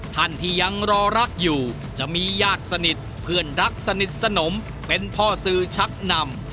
ท่านที่ยังรอรักอยู่จะมีญาติสนิทเพื่อนรักสนิทสนมเป็นพ่อสื่อชักนำ